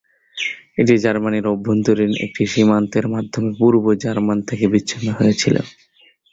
এটি জার্মানির অভ্যন্তরীণ একটি সীমান্তের মাধ্যমে পূর্ব জার্মানি থেকে বিচ্ছিন্ন ছিল।